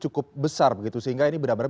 cukup besar begitu sehingga ini benar benar